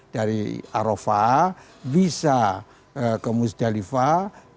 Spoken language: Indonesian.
dari arofah bisa ke musdalifah